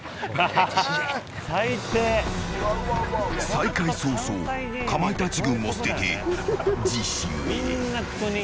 再会早々かまいたち軍を捨てて自首へ。